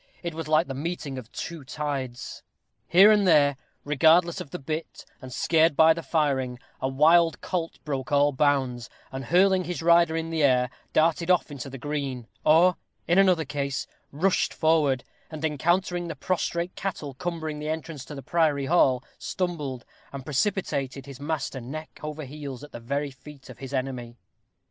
It was like the meeting of two tides. Here and there, regardless of the bit, and scared by the firing, a wild colt broke all bounds, and, hurling his rider in the air, darted off into the green; or, in another case, rushed forward, and encountering the prostrate cattle cumbering the entrance to the priory hall, stumbled, and precipitated his master neck over heels at the very feet of his enemy.